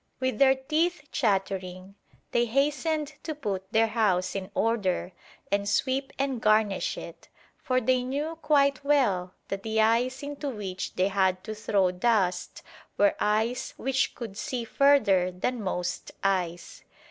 With their teeth chattering, they hastened to put their house in order and sweep and garnish it, for they knew quite well that the eyes into which they had to throw dust were eyes which could see further than most eyes.